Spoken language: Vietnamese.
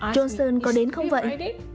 johnson có đến không vậy